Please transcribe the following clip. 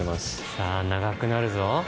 さぁ長くなるぞ。